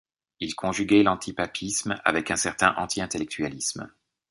Ils conjuguaient l'anti-papisme avec un certain anti-intellectualisme.